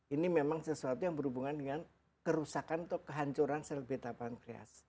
ini memang sesuatu yang berhubungan dengan kerusakan atau kehancuran sel beta pankreas